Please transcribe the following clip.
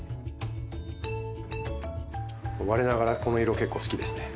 我ながらこの色結構好きですね。